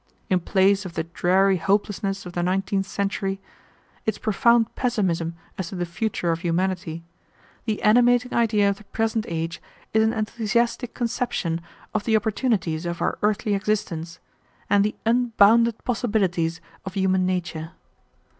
In place of the dreary hopelessness of the nineteenth century, its profound pessimism as to the future of humanity, the animating idea of the present age is an enthusiastic conception of the opportunities of our earthly existence, and the unbounded possibilities of human nature.